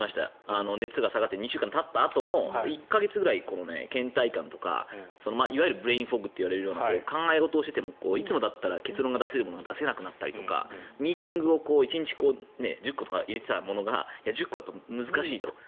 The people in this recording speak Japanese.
熱が下がって２週間たったあとも１か月ぐらいはけん怠感とかいわゆるブレインフォグと呼ばれるような考え事をしててもいつもだったら結論が出せるものが出せなくなったりとかミーティングを１日１０個入れていたものが１０個は難しいと。